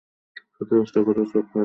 শত চেষ্টা করেও চোখ ফিরাতে পারেন না।